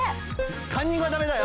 カンニングはだめだよ！